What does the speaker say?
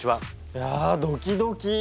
いやドキドキ。